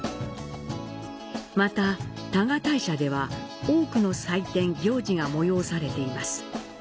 また、多賀大社では多くの祭典、行事が催されています。